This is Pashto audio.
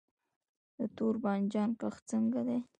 د تور بانجان کښت څنګه دی؟